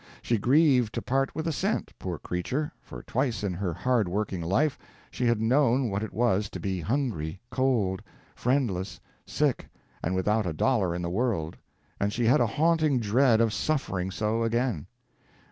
She grieved to part with a cent, poor creature, for twice in her hard working life she had known what it was to be hungry, cold, friendless, sick, and without a dollar in the world, and she had a haunting dread of suffering so again.